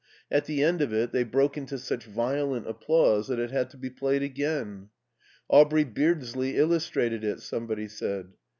At the end of it they broke into such vio lent applause that it had to be played again. Aubrey Beardsley illustrated it," somebody said.